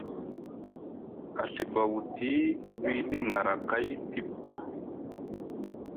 A Ɵiba wuti wiɗi ŋarakay tiɓ.